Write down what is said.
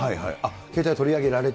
携帯を取り上げられて？